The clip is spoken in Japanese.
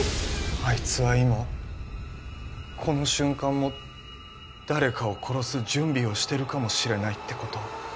あいつは今この瞬間も誰かを殺す準備をしてるかもしれないってこと？